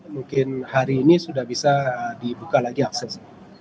mungkin hari ini sudah bisa dibuka lagi akses